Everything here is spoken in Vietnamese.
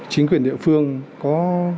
chính quyền địa phương có